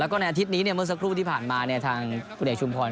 แล้วก็ในอาทิตย์นี้เมื่อสักครู่ที่ผ่านมาทางคุณเอกชุมพร